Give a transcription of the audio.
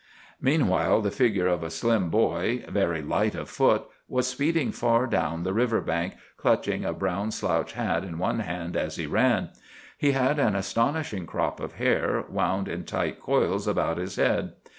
Meanwhile, the figure of a slim boy, very light of foot, was speeding far down the river bank, clutching a brown slouch hat in one hand as he ran. He had an astonishing crop of hair, wound in tight coils about his head.